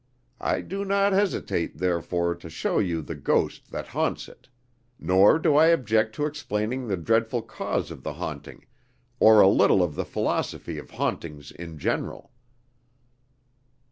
I do not hesitate, therefore, to show you the ghost that haunts it; nor do I object to explaining the dreadful cause of the haunting, or a little of the philosophy of hauntings in general."